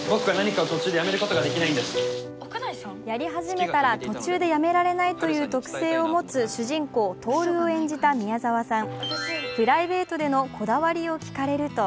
やり始めたら途中でやめられないという特性を持つ主人公・透を演じた宮沢さん。